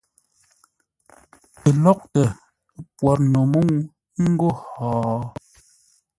Pəlóghʼtə pwor no mə́u ńgó hó?